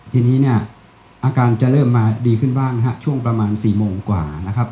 ทีนี้เนี่ยอาการจะเริ่มมาดีขึ้นบ้างฮะช่วงประมาณ๔โมงกว่านะครับ